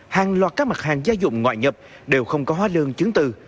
hàng loạt các mặt hàng gia dụng ngoại nhập đều không có hóa đơn chứng từ